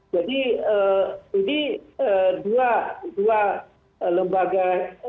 jadi ini dua lembaga